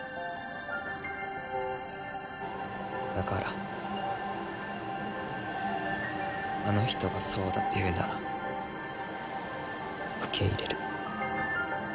だからあの人がそうだと言うなら受け入れる。